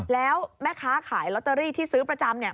แล้วแม่ค้าขายลอตเตอรี่ที่ซื้อประจำเนี่ย